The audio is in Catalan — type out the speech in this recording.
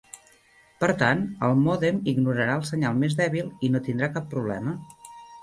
Per tant, el mòdem ignorarà el senyal més dèbil i no tindrà cap problema.